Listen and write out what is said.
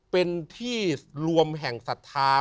เป็นที่รวมแห่งศรัทธา